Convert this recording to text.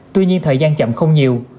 tuy nhiên thời gian chậm không nhiều